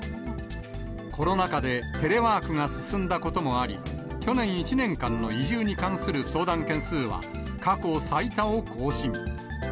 コロナ禍でテレワークが進んだこともあり、去年１年間の移住に関する相談件数は、過去最多を更新。